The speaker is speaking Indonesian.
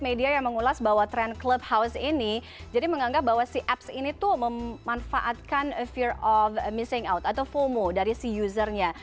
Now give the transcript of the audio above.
media yang mengulas bahwa tren clubhouse ini jadi menganggap bahwa si apps ini tuh memanfaatkan fear of missing out atau fomo dari si usernya